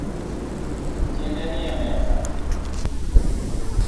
Tiende nie mesa